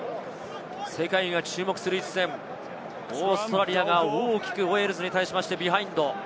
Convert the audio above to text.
世界が注目する一戦、オーストラリアが大きくウェールズに対してビハインド。